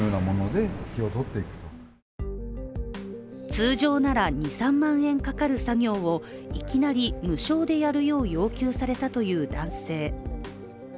通常なら２３万円かかる作業をいきなり無償でやるよう要求されたという男性。